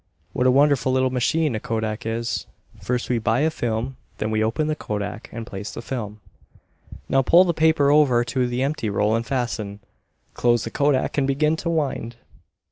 What a wonderful little machine a kodak is! First we buy a film, then we open the kodak and place the film. Now pull the paper over to the empty roll and fasten, close the kodak and begin to wind.